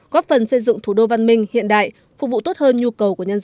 góp phần xây dựng thủ đô văn minh hiện đại phục vụ tốt hơn nhu cầu của nhân dân